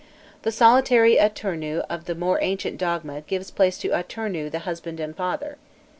The solitary Atûrnû of the more ancient dogma gave place to Atûrnû the husband and father.